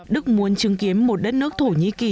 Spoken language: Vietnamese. đức muốn chứng kiến một đất nước thổ nhĩ kỳ